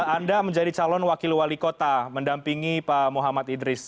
anda menjadi calon wakil wali kota mendampingi pak muhammad idris